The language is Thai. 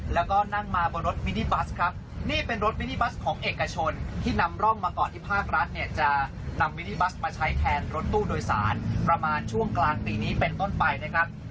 แล้วก็นั่งมาบนรถมินิบัสครับนี่เป็นรถมินิบัสของเอกชนที่นำร่องมาก่อนที่ภาครัฐเนี่ยจะนำมินิบัสมาใช้แทนรถตู้โดยสารประมาณช่วงกลางปีนี้เป็นต้นไปนะครับ